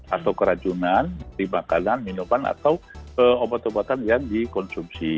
atau keracunan di makanan minuman atau obat obatan yang dikonsumsi